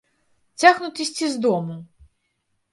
Цягнуць ісці з дому!